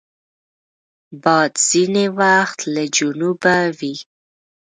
باد ځینې وخت له جنوبه وي